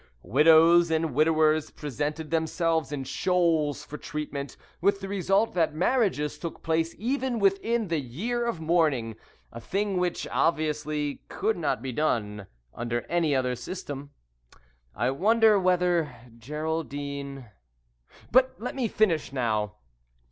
Widows and widowers presented themselves in shoals for treatment, with the result that marriages took place even within the year of mourning a thing which obviously could not be done under any other system. I wonder whether Geraldine but let me finish now!